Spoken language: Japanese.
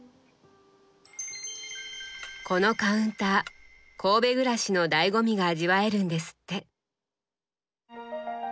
このカウンター神戸暮らしのだいご味が味わえるんですって。